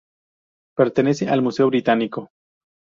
Pertenece al Museo Británico